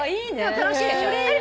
楽しいでしょ。